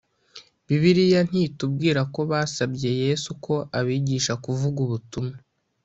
bibiliya ntitubwira ko basabye Yesu ko abigisha kuvuga ubutumwa